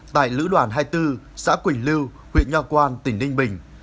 tại lữ đoàn hai mươi bốn xã quỳnh lưu huyện nho quan tỉnh ninh bình